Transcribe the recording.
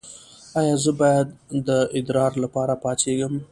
ایا زه باید د ادرار لپاره پاڅیږم؟